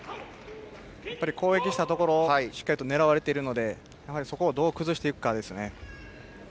攻撃したところをしっかりと狙われているのでそこをどう崩していくかですね。